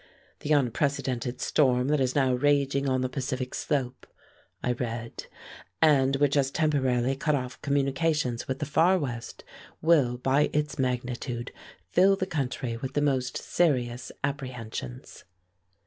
"The unprecedented storm that is now raging on the Pacific slope," I read, "and which has temporarily cut off communications with the far West, will by its magnitude fill the country with the most serious apprehensions."